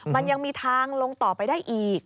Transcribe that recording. มันยังมีทางลงต่อไปได้อีก